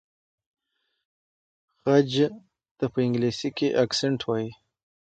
خج ته په انګلیسۍ کې اکسنټ وایي.